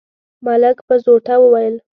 ملک په زوټه وويل: